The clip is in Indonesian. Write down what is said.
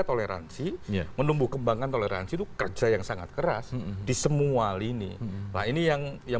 toleransi menumbuh kembangkan toleransi itu kerja yang sangat keras di semua lini nah ini yang yang